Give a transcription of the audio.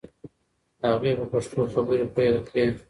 هغې په پښتو خبرې پیل کړې.